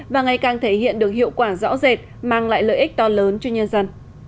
và ngày càng thể hiện được hiệu quả rõ rệt mang lại lợi ích to lớn cho nhân dân